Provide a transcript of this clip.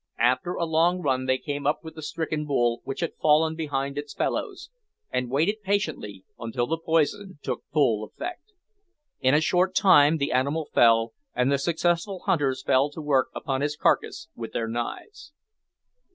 After a long run they came up with the stricken bull, which had fallen behind its fellows, and waited patiently until the poison took full effect. In a short time the animal fell, and the successful hunters fell to work upon his carcase with their knives.